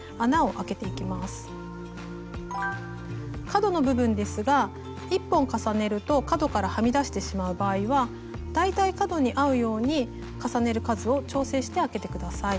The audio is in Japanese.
角の部分ですが１本重ねると角からはみ出してしまう場合は大体角に合うように重ねる数を調整してあけて下さい。